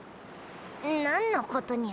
なんのことニャ？